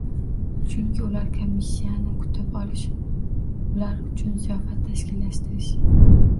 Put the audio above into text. Chunki ular komissiyani kutib olish, ular uchun ziyofat tashkillashtirish